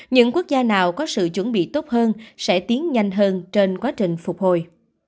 những quốc gia nào có sự chuẩn bị tốt hơn sẽ tiến nhanh hơn trên quá trình phục hồi